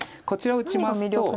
こちら打ちますと。